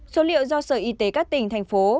số liệu do sở y tế các tỉnh thành phố